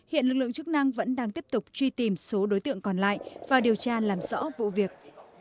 hiện lực lượng chức năng vẫn đang tiếp tục truy tìm số đối tượng còn lại và điều tra làm rõ vụ việc